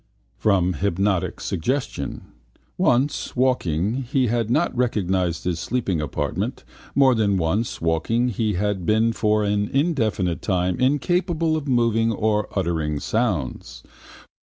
From hypnotic suggestion: once, waking, he had not recognised his sleeping apartment: more than once, waking, he had been for an indefinite time incapable of moving or uttering sounds.